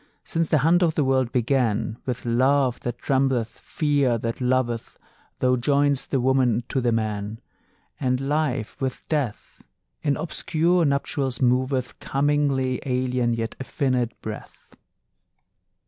Since the hunt o' the world began, With love that trembleth, fear that loveth, Thou join'st the woman to the man; And Life with Death In obscure nuptials moveth, Commingling alien, yet affinèd, breath.